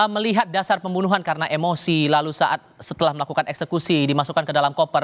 melihat dasar pembunuhan karena emosi lalu saat setelah melakukan eksekusi dimasukkan ke dalam koper